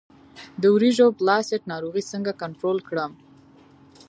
د وریجو بلاست ناروغي څنګه کنټرول کړم؟